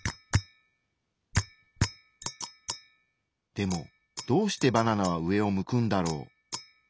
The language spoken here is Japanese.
でもどうしてバナナは上を向くんだろう？